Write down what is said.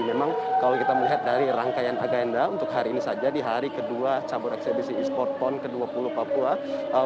memang kalau kita melihat dari rangkaian agenda untuk hari ini saja di hari kedua cabur eksebisi e sport pon ke dua puluh papua